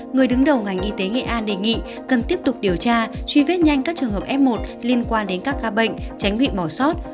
người đứng đầu ngành y tế nghệ an đề nghị cần tiếp tục điều tra truy vết nhanh các trường hợp f một liên quan đến các ca bệnh tránh bị bỏ sót